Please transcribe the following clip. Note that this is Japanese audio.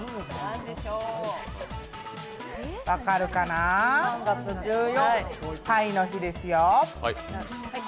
分かるかな、３月１４、パイの日ですよ。